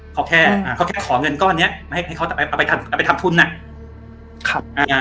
เขาแค่ขอเงินก้อนเนี่ยให้เขาเอาไปทำทุนอะ